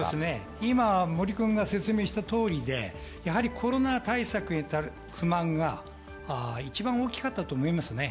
今、森君が説明した通りで、コロナ対策に対する不満が一番大きかったと思います。